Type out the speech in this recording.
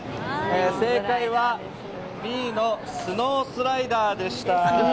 正解はＢのスノースライダーでした。